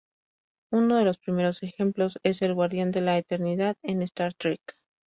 Uno de los primeros ejemplos es el guardián de la eternidad, en "Star Trek".